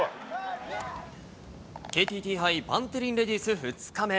ＫＴＴ杯バンテリンレディス２日目。